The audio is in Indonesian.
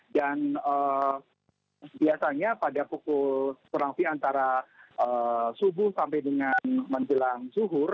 dan biasanya pada pukul terangfi antara subuh sampai dengan menjelang zuhur